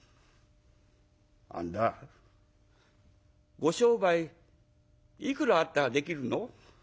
「ご商売いくらあったらできるの？」。